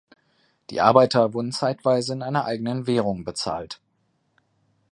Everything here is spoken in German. Die Arbeiter wurden zeitweise in einer eigenen Währung bezahlt.